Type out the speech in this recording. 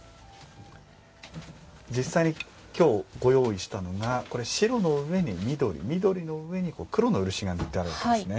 実際に今日ご用意したのがこれ白の上に緑緑の上に黒の漆が塗ってあるんですね。